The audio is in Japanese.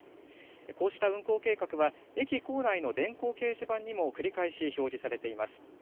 こうした運行計画は、駅構内の電光掲示板にも繰り返し表示されています。